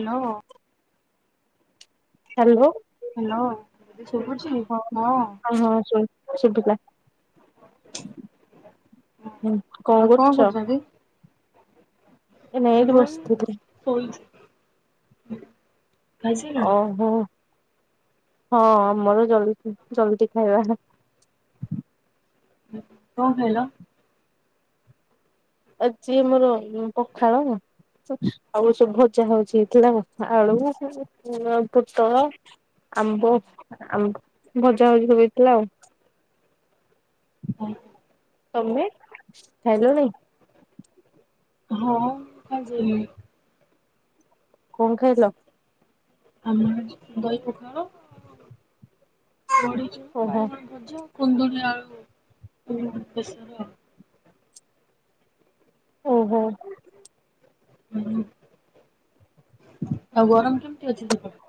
Hello. Hello. Hello ତତେ ଶୁଭୁଛି? ହଁ। [unintelligible] ସେଠିକା, କଣ ଆଉ କରୁଛ? କରୁଛନ୍ତି? ଏ ଏଇଠି ମୁଁ ଏଇ ବସିପଡ଼ିଥିଲି। [unintelligible] ଖାଇସାରିଲଣି? ଓହୋ। ହଁ ଆମର ଜ ଜଲଦି ଖାଇବା। କଣ ଖାଇଲ? ଆଜି ମୋର ଉନ୍ ପଖାଳ ସ ଆଉ ସବୁ ଭଜା ହଉଚି ଚୁଡ଼ା ଭ ଆଳୁ, ପୋଟଳ ଆମ୍ବ ଆମ୍ବ ଭଜା ଭଜି ହେଇଥିଲା ଆଉ। ହଁ। ତମେ ଖାଇଲଣି? ହଁ ଖାଇସାରିଲିନି। କଣ ଖାଇଲ? ଆମର ଦହି ପଖାଳ, ବଡିଚୁରା, ଓହୋ ବାଇଗଣ ଭଜା କୁନ୍ଦୁରି ଆଳୁ ଉନ୍ ବେସର ଆଉ। ଓହୋ। ହୁଁ ଆଉ ଗରମ କେମିତି ଅଛି ସେପଟେ?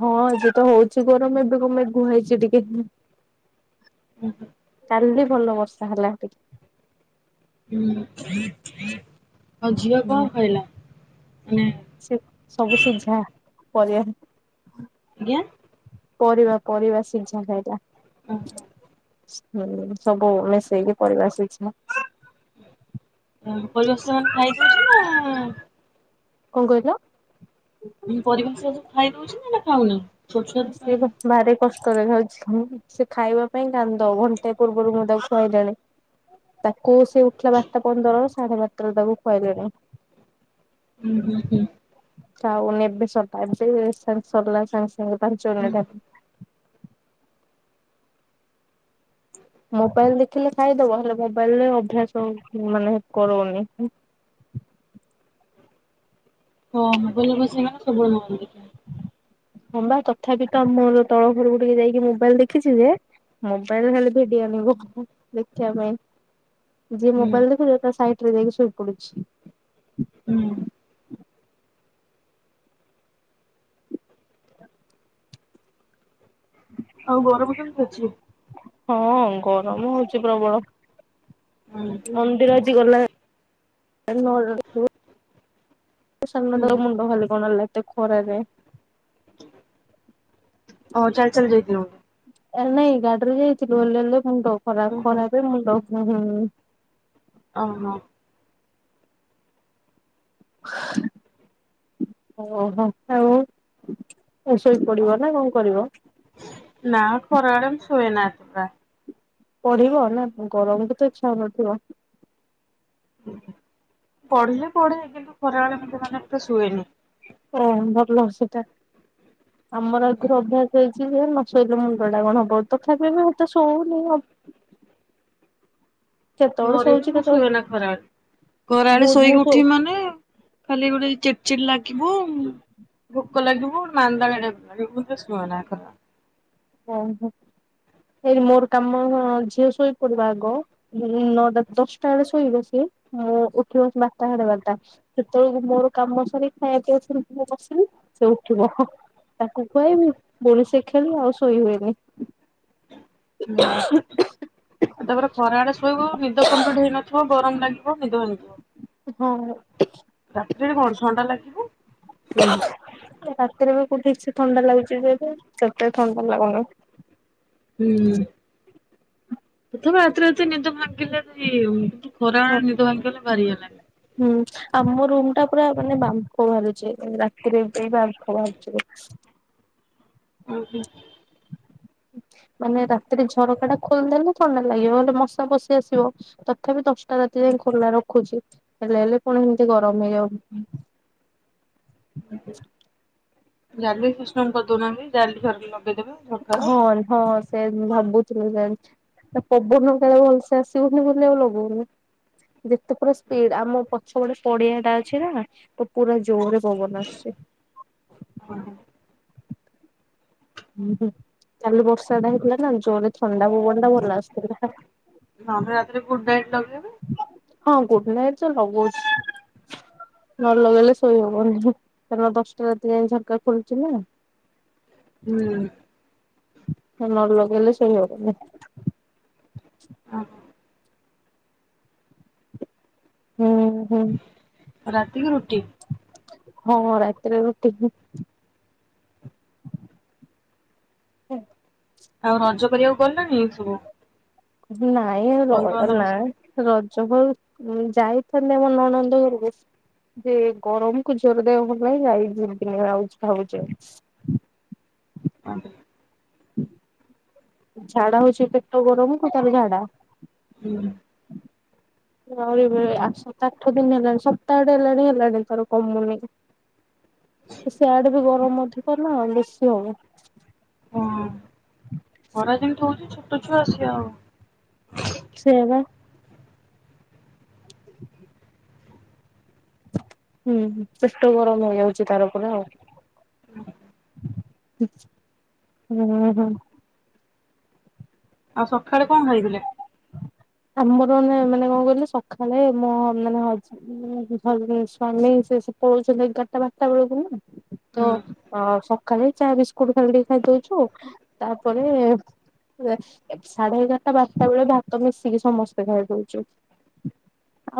ହଁ ଏବେ ତ ହଉଛି ଗରମ ଏବେ [unintelligible] ହେଇଛି ଟିକେ ହୁଁ ହୁଁ। କାଲି ଭଲ ବର୍ଷା ହେଲା ଟିକେ ହୁଁ। ଆଉ ଝିଅ ହୁଁ କଣ ଖାଇଲା? ମାନେ ସେ ସବୁ ସିଝା ପରେ ଆଜ୍ଞା ପରିବା ପରିବା ଶିଝା ଟା ଏଟା। ଓହୋ। ହୁଁ ସବୁ ମିଶେଇକି ପରିବା ଶିଝା ହୁଁ, ପରିବା ସେମାନେ ଖାଇଦଉଛି ନା କଣ କହିଲ? ପରିବା ସବୁ ଖାଇ ଦଉଛି ନା ନା ଖାଉନି? ଛୋଟ ଛୁଆ ତ ଖାଇନି [unintelligible] ବାରେ କଷ୍ଟରେ ଖାଉଛି ମୁଁ ସେ ଖାଇବା ପାଇଁ କାନ୍ଦ ଘଣ୍ଟା ପୂର୍ବରୁ ମୁଁ ତାକୁ ଖୁଆଇଲାଣି। ତାକୁ ସେ ଉଠିଲା ବାରଟା ପନ୍ଦର ସାଢେ ବାରଟା ତାକୁ ଖୁଆଇଲେଣି, ହୁଁ ହୁଁ ହୁଁ। ଚାଉନି ଏବେ ସରିଲା ଏବେ ସାଙ୍ଗେ ସରିଲା ସାଙ୍ଗେ ସାଙ୍ଗେ ପାଞ୍ଚ ହୁଁ। ମିନିଟ୍ ହେବନି ମୋବାଇଲ ଦେଖିଲେ ଖାଇଦବ ହେଲେ ମୋବାଇଲରେ ଅଭ୍ୟାସ ମାନେ କରଉନି। ହଁ [unintelligible] ସବୁବେଳେ ମୋବାଇଲ୍ ଦେଖିବେ। ହଁବା ତଥାପି ତ ଆମର ତଳ ଘରକୁ ଟିକେ ଯାଇକି ମୋବାଇଲ ଦେଖିଛି ଯେ ମୋବାଇଲରେ ଖାଲି ଭିଡିଓ ଆଣିବ ହୁଁ ହୁଁ ଦେଖିବା ପାଇଁ ଯିଏ ହୁଁ ମୋବାଇଲ ଦେଖୁଛି ତା ସାଇଟ୍ ରେ ଯାଇକି ଶୋଇ ପଡୁଛି। ହୁଁ। ଆଉ ଗରମ କେମିତି ଅଛି? ହଁ ଗରମ ହଉଛି ପ୍ରବଳ। ହଁ। ମନ୍ଦିର ଆଜି ଗଲା [unintelligible] ମୋ ସାନମା ତାର ମୁଣ୍ଡ ଖାଲି କଣ ହେଲା ଏତେ ଖରାରେ। ଆଉ ଜାଣିଚନ୍ତି। ଏ ନାଇଁ ଗାଡିରେ ହେଇଚି [unintelligible] ମୁଣ୍ଡ ଖରା ଓହୋ। ଖରାପରେ ମୁଣ୍ଡ ଜୋରେ ଓ ହୋ। ଓହୋ ଆଉ। ଏ ଶୋଇ ଆଉ ପଡିବ ନା କଣ କରିବ? ନା ମୁଁ ଖରାବେଳେ ମୁଁ ଶୁଏନା ପ୍ରା। ପଢିବ ନା ଗରମକୁ ତ ଇଚ୍ଛା ହଉନଥିବ। ପଢ଼ିଲେ ପଢ଼େ କିନ୍ତୁ ଖରାବେଳେ ମୁଁ ଏତେ ମାନେ ଏତେ ଶୁଏନି। ଓ ଭଲ ସେଇଟା ଆମର ଏଥିରୁ ଅଭ୍ୟାସ ହେଇଚି। ଦିନରେ ନ ଶୋଇଲେ ମୁଣ୍ଡ ଟା କଣ ହବ ତଥାପି ବି ମୁଁ ଏତେ ଶୋଉନି ଅଭ ଘରେ ଶୋଉଛି ବି ମୁଁ କେତେବେଳେ ଶୁଏନା ଖରାବେଳେ ମୁଁ ଖରାବେଳେ ମୁଁ ଶୋଇକି ଶୋ ଉଠି ମାନେ ଖାଲି ଗୋଟେ ଚିଡି଼ ଚିଡି଼ ଲାଗିବ। ଭୋକ ଲାଗିବ ମାନ୍ଦା ବେଳେବେଳେ ମୁଁ ଏତେ ଶୁଏନା ଖରା ଓହୋ ହେ ମୋର କାମ ଝିଅ ଶୋଇପଡି଼ବ ଆଗ। ନଅଟା ଦଶଟା ବେଳେ ଶୋଇବ ସିଏ ମୁଁ ଉଠିବ ବାରଟା ସାଢେ ବାରଟା। ଯେତେବେଳକୁ ମୋର କାମ ସାରିିକି ଖାଇବା ପିଇବା ସାରିକି ଉପୁରୁକୁ ଆସିବି ସେ ଉଠିବ। ତାକୁ ଖୁଆଇବୁ ପୁଣି ସେ ଖେଳିବ ଆଉ ଶୋଇ ହୁଏନି। ହୁଁ ଆଉ ତାପରେ ଖରା ଏଳେ ଶୋଇବ ନିଦ କମ୍ପ୍ଲିଟ୍ ହେଇନ ଥିବ ଗରମ ଲାଗିବ ନିଦ ଭାଗିଯିବ। ହଁ କଣ ଥଣ୍ଡା ଲାଗିବ ଶୋଇହବ। ରାତିରେ ବି କଉଠି କିଛି ଥଣ୍ଡା ଲାଗୁଛି ଯେବେ ସେତେ ଥଣ୍ଡା ଲାଗୁନି। ହୁଁ ପ୍ରଥମେ ରାତିରେ ରାତିରେ ନିଦ ଭାଙ୍ଗିଲେ ବି କିନ୍ତୁ ଖରା ବେଳରେ ନିଦ ଭାଙ୍ଗିଗଲେ ଭାରି ଇଏ ଲାଗେ। ହୁଁ। ଆମ ରୁମ୍ ଟା ପୁରା ମାନେ ବାମ୍ଫ ବାହାରୁଚି ରାତିରେ ବି ବାମ୍ଫ ବାହାରୁଚି। ଓହୋ। ମାନେ ରାତିରେ ଝରକାଟା ଖୋଲିଦେଲେ ଥଣ୍ଡା ଲାଗିବ ନହେଲେ ମଶା ପଶି ଆସିବ। ତଥାପି ବି ଗୋଟା ରାତି ଯାଏ ଖୋଲା ରଖୁଛି ହେଲେ ହେଲେ କଣ ଏମିତି ଗରମ ହେଇଯାଉ ଜାଲି ସିଷ୍ଟମ କରିଦଉନାହାନ୍ତି ଜାଲି [unintelligible] ଲଗେଇଦେବେ। ଝରକାର। ହଁ ହଁ ସେଇଆ ଆଜି ମୁଁ ଭାବୁଥିଲି ଜାଣିଛି ପବନ ଗୁଡାକ ଭଲସେ ଆସିବନି ବୋଲି ମୁଁ ଲଗଉନି। ଯେତେ ପୁରା ସ୍ପିଡ ଆମ ପଛ ପଟେ ପଡିଆଟା ଅଛି ନା। ହେଟା ପୁରା ଜୋରେ ପବନ ଆସୁଛି। ଓହୋ। ହୁଁ ହୁଁ କାଲି ବର୍ଷାଟା ହେଇଥିଲା ନା ଜୋରେ ଥଣ୍ଡା ପବନଟା ଭଲ ଆସୁଥିଲା‌। ନହେଲେ ରାତିରେ ଗୁଡ୍ ନାଇଟ୍ ଲଗେଇବୁ। ହଁ ଗୁଡ୍ ନାଇଟ୍ ତ ଲଗଉଛି। ନ ଲଗେଇଲେ ଶୋଇ ହବନି କାରଣ ଦଶଟା ରାତି ଯାଏ ଝରକା ଖୋଲୁଛି ନା। ହୁଁ। ନ ଲଗେଇଲେ ଶୋଇ ହବନି। ହୁଁ ହୁଁ। ଆଉ ରାତିକୁ ରୁଟି। ହଁ ରାତରେ ରୁଟି ହୁଏ। ଆଉ ରଜ କରିବାକୁ ଗଲଣିି ଏ ସବୁ। ନାଇଁ ଏ ରଡ଼ ବନ୍ଧୁବାନ୍ଧବ ନାଁ। ଘରକୁ? ରଜ କୁ ଆଉ। ଯାଇଥିଲି ମୋ ନଣନ୍ଦ ଘରକୁ। ଦେ ଗରମ କୁ ଝିଅ ର ଦେହ ଭଲ ନାହିଁ। ଯାଇ ଯିବିନି ଆଉ ଯେ ଭାବୁଛି ଆଉ। [unintelligible] ହୁଁ [unintelligible] ଝାଡା ହଉଛି ପେଟ ଗରମ କୁ ତାବି ଝାଡା। ହୁଁ। ଆହୁରି ବେଳେ ବେଳେ ଆଠ ସାତ ଆଠ ଦିନ ହେଲାଣି ସପ୍ତାହଟେ ହେଲାଣି ହେଲାଣି ତାର କମୁନି। ସିଆଡେ ବି ଗରମ ଅଧିକ ହେଲା। ବେଶୀ ହବ। ଓଃ। ଖରା ଯେମିତି ହଉଛି ଛୋଟ ଛୁଆ ସିଏ ଆଉ। ସେଇପା। ହୁଁ ହୁଁ ପେଟ ଗରମ ହେଇଯାଉଛି ତାର ପୁରା ଆଉ। ହୁଁ ହୁଁ। ଆଉ ସକାଳେ କ ଖାଇଥିଲେ? ଆମର ମେ ମାନେ କଣ କହିଲେ ସକାଳେ ମୋ ମାନେ ହଜେବେଣ୍ଡେ ଉଁ ଭାଲି ସ୍ୱାମୀ ସେ ପଳଉଛନ୍ତି ଏଗାଟା ବାଟା ବେଳକୁ ନାଁ। ତ ହୁଁ ଅ ସବୁ। ଖାଲି ଚା ବିସ୍କୁଟୁ ଖାଲି ଖାଇଦଉଛୁ। ତାପରେ ରେ। ସାଢେ ଏଗାଟା ବାଟା ବେଳେ ଭାତ ମିଶିକି ସମସ୍ତେ ଖାଇଦଉଛୁ।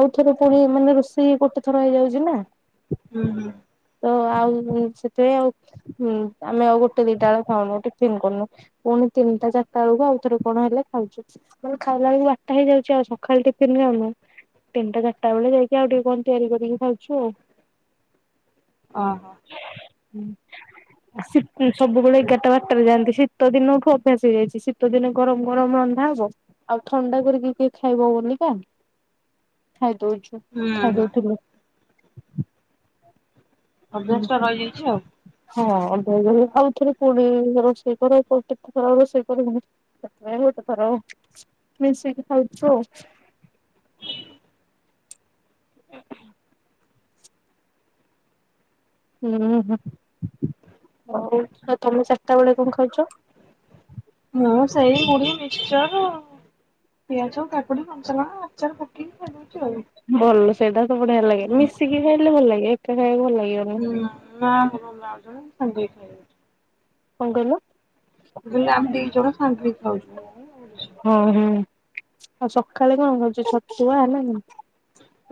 ଆଉଥରେ ପୁଣି ମାନେ ରୋଷେଇ ଗୋଟେ ଥର ହେଇଯାଉଛି ନାଁ। ହୁଁ ହୁଁ ତ ଆଉ ସେଥିପାଇଁ ଆଉ ହୁଁ। ଆମେ ଆଉ ଗୋଟେ ଦିଟା ବେଳେ ଖାଉନୁ ଟିପିନି କରୁନୁ। ପୁଣି ତିନିଟା ଚାରିଟା ବେଳକୁ ଆଉ ଥରେ କଣ ହେଲେ ଖାଉଛୁ। ମାନେ ଖାଇଲା ବେଳ କୁ ବା କାହିଁ ଯାଉଛୁ ଆଉ ସକାଳ ଟିପିନି ଯାଉନୁ। ତିନଟା ଟାଟାବେଳେ ଯାଇକି ଆଉ ଟିକେ କ ତିଆରି କରିକି ଖାଉଛୁ ଆଉ। ଅ ହୋ। ହୁଁ। ଆସିତି ସବୁବେଳେ ଏଗାଟା ବଟାରେ ଯାଆନ୍ତି ଶୀତ ଦିନଠୁ ଅଭ୍ୟାସ ହେଇଯାଇଛି। ଶୀତ ଦିନ ଗରମ ଗରମ ରନ୍ଧା ହବ। ଆଉ ଥଣ୍ଡା କରିିକି କିଏ କିଏ ଖାଇବ ବୋଲିକା। ଖାଇଦଉଛୁ। ହୁଁ ହୁଁ ଖାଇଦଉଥିଲୁ। ଅଭ୍ୟାସ ଟା ହୁଁ ରହିଯାଇଛି ଆଉ। ହଁ ଆଉ ଥରେ ପୁଣି ରୋଷେଇ କର। କେତେ ଥର ରୋଷେଇ କରିକି। ସେଥିପାଇ ଗୋଟେ ଥର। ମିଶିକି ଖାଉଛୁ ଆଉ। ହୁଁ ହୁଁ ହଉ ଆଉ ତମେ ଚାଟା ବେଳେ କଣ ଖାଉଛ? ମୁଁ ସେଇ ମୁଢି ମିକ୍ସର। ପିଆଜ, କାକୁଡି, କଞ୍ଚାଲଙ୍କା, ଆଚାର ପକେଇ କି ଖାଇଦଉଛୁ ଆଉ। ଭଲ ସେଇଟା ତ ବଢିଆ ଲାଗେ। ମିଶିକି ଖାଇଲେ ଭଲ ଲାଗେ ଏକା ଖାଇବାକୁ ଭଲ ଲାଗିବନି। ହୁଁ ମା ସାଙ୍ଗ ହେଇକି ଖାଇଦଉଛୁ [unintelligible] କ କହିଲ? ହେଲେ ଆମେ ଦି ଜଣ ସାଙ୍ଗହେଇକି ଖାଉଚୁ। ହଁ ହଁ। ଆଉ ସକାଳେ କଣ ଖାଉଛ ଛତୁଆ ନାଁ କ?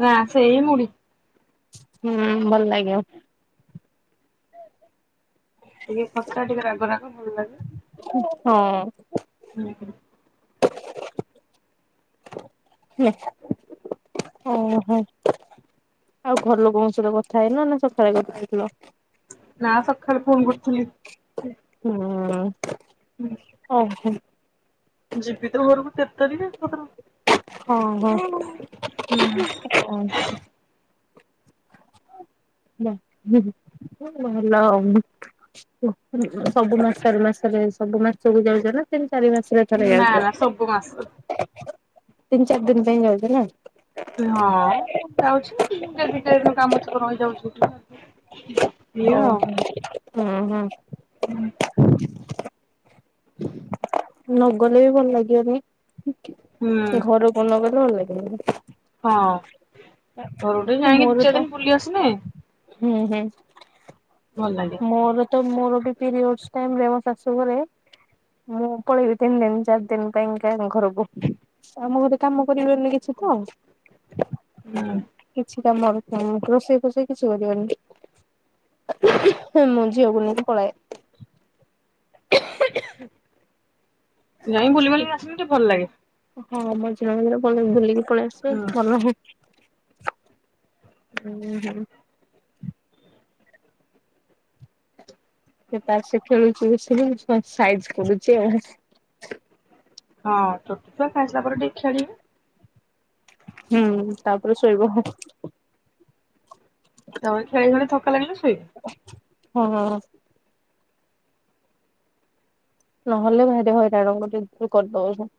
ନାଁ ସେଇ ମୁଢ଼ି। ହୁଁ ଭଲ ଲାଗିବ। ଟିକେ ଖଟା ଟିକେ ରାଗ ରାଗ ଭଲ ଲାଗେ। ହଁ। ହୁଁ ହୁଁ। ଓହୋ। ଆଉ ଘର ଲୋକଙ୍କ ସହିତ କଥା ହେଇନ ନା ସକାଳେ କଥା ହେଇଥିଲ? ନା ସକାଳେ ଫୋନ୍ କରିଥିଲି। ଅ ଓହୋ। ଯିବି ତ ଘରକୁ କେତେ ଦିନ ହଁ ହଁ। ହୁଁ ଭଲ ଆଉ। ସବୁ ମାସ ଚାରି ମାସରେ ସବୁ ମାସରେ ଯାଉଛ ନା ତିନି ଚାରି ମାସ ଥରେ ଥରେ ନା ଯାଉଛ ନା ସବୁ ମାସ ତିନି ଚାରି ଦିନ ପାଇଁ ଯାଉଛ ପରା? ହଁ ଯାଉଛି କେବେ କେମିତି କାମ ଥିବ ରହି ଯାଉଛି ଆଉ କଣ ହୁଁ ହିଁ। ହୁଁ। ନଗଲେ ବି ଭଲ ହୁଁ ଲାଗିବନି ଘର ଫୋନ୍ ଲଗେଇଲେ ଲାଗୁନି ହଁ ଘରକୁ ଟିକେ ଯାଇକି ଦି ମୋର ଚାରି ତ ଦିନ ବୁଲି ଆସିଲେ। ହୁଁ ହୁଁ। ଭଲ ଲାଗେ। ମୋର ତ ମୋର ବି ପିରିୟଡ଼ ଟାଇମ୍ ମୋ ଶାଶୁଘରେ। ମୁଁ ପଳେଇବି ତିନି ଦିନ ଚାରି ଦିନ ପାଇଁ ଘରକୁ। ଆମ ଘରେ କାମ କରିପାରୁନି କିଛି ତ। ହ [inaudible] ହୁଁ। କିଛିଟା ମର ରୋଷେଇ ଫୁଷେଇ କିଛି କରିବନି। ମୁ ଝିଅକୁ ନେଇକି ପଳାଏ। [inaudible] ଯାଇଁ ବୁଲି ବୁଲିି ଆସିଲେ ଟିକେ ଭଲ ଲାଗେ। ହଁ ମଝିରେ ମଝିରେ ପଲେଇକି ବୁଲିକି ପଳେଇ ଆସିବେ ହୁଁ ଭଲ ହୁଁ ହୁଁ। ସେ ତାର ସେ ଖେଳୁଛି ସାଇଜ କରୁଛି। ହଁ ଛୋଟ ଛୁଆ ଖାଇ ସାରିଲା ପରେ ଟିକେ ଖେଳିବେ। ହୁଁ ତାପରେ ଶୋଇବ। ତଳେ ଖେଳି ଖେଳି ଥକା ଲାଗିଲା ଶୋଇବ। ହଁ। ନହେଲେ ଭାଇରେ ହଇରାଣଙ୍କ ଟ କରିଦଉଛ [inaudible]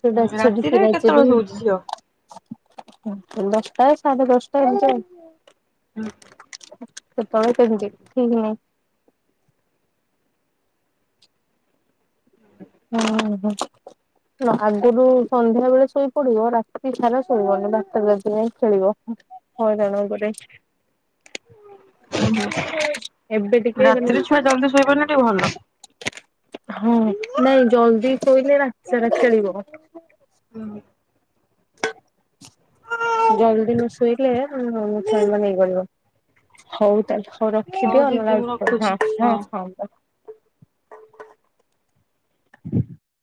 ଛେଡ଼କ ଛେଡି ରାତିରେ ଫିରାଛି ର କେତେବେଳେ ଶୋଉଛି ଝିଅ? [unintelligible] ଦଶଟା ସାଢ଼େ ଦଶଟା ଏମିତି ଆଉ। କେତେବେଳେ କେମିତି ଠିକ ନାଇଁ। ହୁଁ [inaudible] ହୁଁ। ଆଗରୁ ସନ୍ଧ୍ୟା ବେଳେ ଶୋଇପଡ଼ିବ ରାତି ସାରା ଶୋଇବନି ବାରଟା ରାତି ଯାଏଁ ଖେଳିବ। ହଇରାଣ ଗୋଟେ ହୁଁ ଏବେ ଟିକେ ମାନେ ରାତିରେ ଛୁଆ ଜଲଦି ଶୋଇ ପଡ଼ିଲେ ଟିକେ ଭଲ ହଁ ନାଇଁ ଜଲଦି ଶୋଇଲେ ରାତି ସାରା ଖେଳିବ ହୁଁ [inaudible] ଜଲଦି ନ ଶୋଇଲେ ପୁଣି ହଇ ମାନେ କରିବ ହଉ ତାହେଲେ ହଉ ରଖିଦିଅ ଦିଦି ମୁଁ ରଖୁଛି ହଁ ହଁ ହଁ [inaudible]